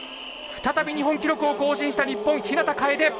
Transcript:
再び日本記録を更新した日本日向楓。